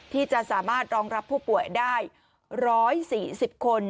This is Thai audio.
ที่จะสามารถรองรับผู้ป่วยได้๑๔๐คน